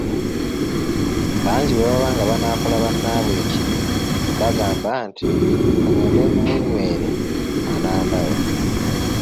Bangi bwebaba nga banaakola bannaabwe ekibi bagamba nti, “Ka ngende ngumunywere, anandaba".